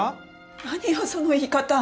何よその言い方！